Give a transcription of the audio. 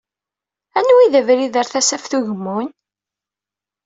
Anwa i d abrid ar Tasaft Ugemmun?